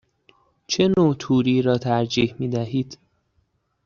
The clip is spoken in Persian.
چه نوع توری را ترجیح می دهید؟